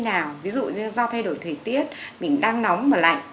thế nào ví dụ như do thay đổi thời tiết mình đang nóng mà lạnh